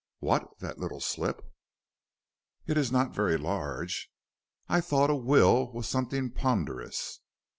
"What, that little slip?" "It is not very large." "I thought a will was something ponderous."